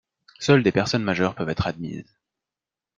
Seules des personnes majeures peuvent être admises.